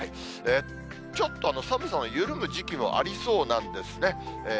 ちょっと寒さの緩む時期もありそうなんですね。